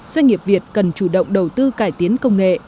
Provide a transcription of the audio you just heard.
doanh nghiệp việt cần chủ động đầu tư cải tiến công nghệ